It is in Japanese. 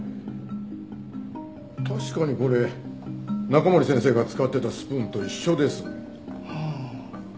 確かにこれ中森先生が使ってたスプーンと一緒です。はあ。